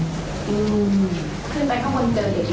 คือไปเข้าบนเจอเด็กน้องมา